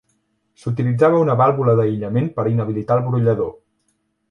S'utilitzava una vàlvula d'aïllament per inhabilitar el brollador.